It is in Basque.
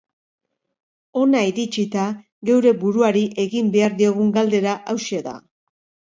Hona iritsita, geure buruari egin behar diogun galdera hauxe da.